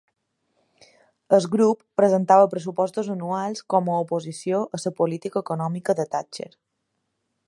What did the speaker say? El grup presentava pressupostos anuals com a oposició a la política econòmica de Thatcher.